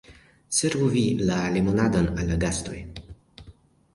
Servu vi la limonadon al la gastoj.